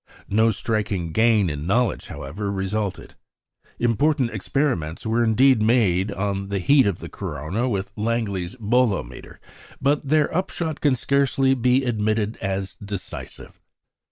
No striking gain in knowledge, however, resulted. Important experiments were indeed made on the heat of the corona with Langley's bolometer, but their upshot can scarcely be admitted as decisive.